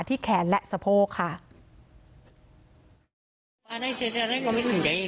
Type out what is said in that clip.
แขนและสะโพกค่ะ